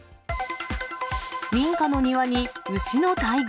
民家の庭に牛の大群。